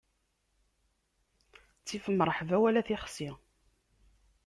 Ttif mṛeḥba wala tixsi.